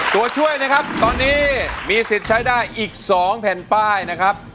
ตัวช่วยนะครับตอนนี้มีสิทธิ์ใช้ได้อีก๒แผ่นป้ายนะครับ